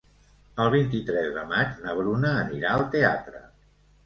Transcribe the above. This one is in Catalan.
El vint-i-tres de maig na Bruna anirà al teatre.